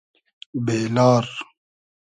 بې لار